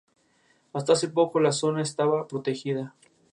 Es considerada como una madera preciosa.